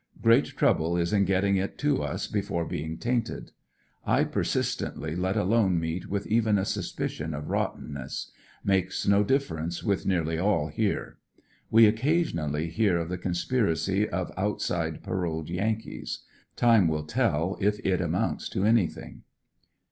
Great trouble is in getting it to us before being tainted, I persistently let alone meat with even a suspicion of rottenness; makes no difference with nearly all here. We occasionally hear of the conspiracy of outside paroled Yankees. Time will tell if it amounts to anything.